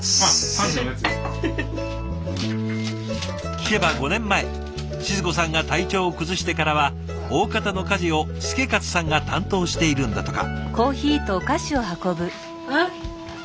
聞けば５年前静子さんが体調を崩してからは大方の家事を祐勝さんが担当しているんだとか。